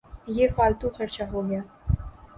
یہ فالتو خرچہ ہو گیا۔